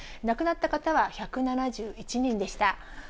亡くなった方は１７１人でした。